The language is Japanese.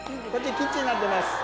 キッチンになってます。